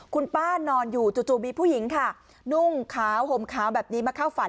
คุณป้านอนอยู่จู่มีผู้หญิงค่ะนุ่งขาวห่มขาวแบบนี้มาเข้าฝัน